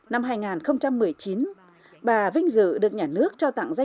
năm hai nghìn một mươi chín bà vinh dự được nhà nước cho tặng giá trị